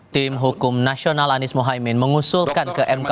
tim hukum nasional anies mohaimin mengusulkan ke mk